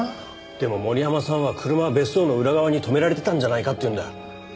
でも森山さんは車は別荘の裏側に止められてたんじゃないかって言うんだ。